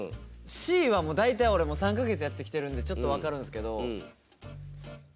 Ｃはもう大体俺も３か月やってきてるんでちょっと分かるんですけど。